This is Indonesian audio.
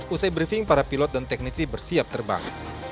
usai briefing para pilot dan teknisi bersiap terbang